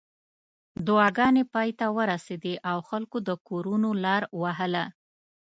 دعاګانې پای ته ورسېدې او خلکو د کورونو لار وهله.